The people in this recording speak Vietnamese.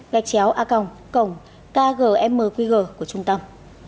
gạch chéo a cổng cổng k g m q g của trung tâm